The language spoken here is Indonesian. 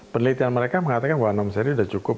penelitian mereka mengatakan bahwa enam seri sudah cukup